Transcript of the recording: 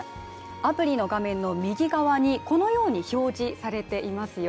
アプリの画面の右側にこのように表示されていますよ。